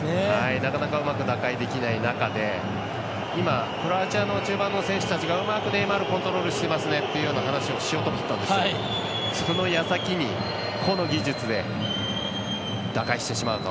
なかなかうまく打開できない中で今、クロアチアの中盤の選手たちがうまくネイマールをコントロールしていますねという話をしようとしたんですがそのやさきに、個の技術で打開してしまうと。